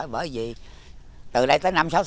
vì từ đây tới năm sáu tháng